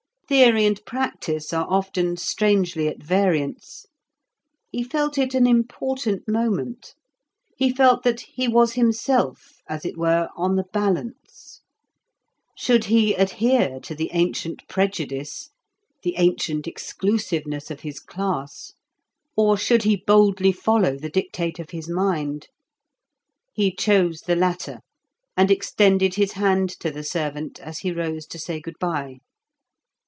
Theory and practice are often strangely at variance. He felt it an important moment; he felt that he was himself, as it were, on the balance; should he adhere to the ancient prejudice, the ancient exclusiveness of his class, or should he boldly follow the dictate of his mind? He chose the latter, and extended his hand to the servant as he rose to say good bye.